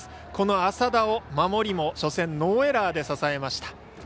この麻田を守りも初戦ノーエラーで支えました。